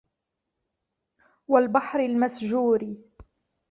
وَالبَحرِ المَسجورِ